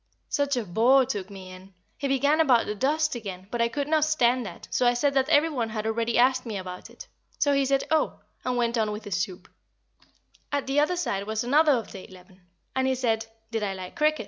Such a bore took me in! He began about the dust again, but I could not stand that, so I said that every one had already asked me about it. So he said "Oh!" and went on with his soup. [Sidenote: The Cricket Talk] At the other side was another of the Eleven, and he said, Did I like cricket?